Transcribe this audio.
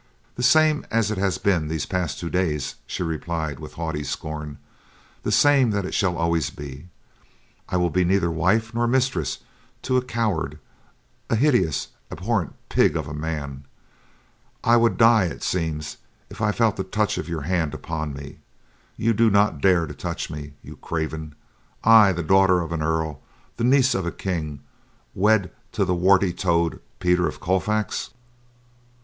"The same as it has been these past two days," she replied with haughty scorn. "The same that it shall always be. I will be neither wife nor mistress to a coward; a hideous, abhorrent pig of a man. I would die, it seems, if I felt the touch of your hand upon me. You do not dare to touch me, you craven. I, the daughter of an earl, the niece of a king, wed to the warty toad, Peter of Colfax!"